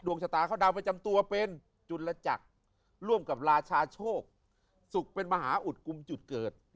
ชะตาเขาดาวประจำตัวเป็นจุลจักรร่วมกับราชาโชคสุขเป็นมหาอุดกุมจุดเกิด